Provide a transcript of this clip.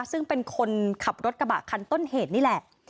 ซึ่งเป็นคนขับรถกระบะคันต้นเหตุนี่แหละ